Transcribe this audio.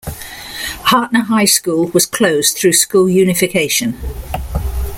Hardtner High School was closed through school unification.